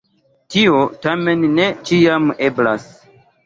Tio tamen ne ĉiam eblas.